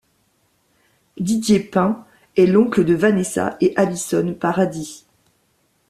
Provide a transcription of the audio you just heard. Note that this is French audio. Didier Pain est l'oncle de Vanessa et Alysson Paradis.